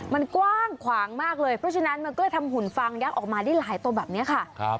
มันกว้างขวางมากเลยเพราะฉะนั้นมันก็ทำหุ่นฟางยักษ์ออกมาได้หลายตัวแบบนี้ค่ะ